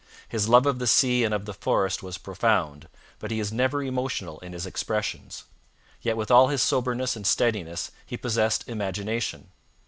His love of the sea and of the forest was profound, but he is never emotional in his expressions. Yet with all his soberness and steadiness he possessed imagination.